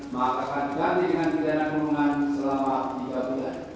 maka akan diganti dengan pindana kurungan selama tiga bulan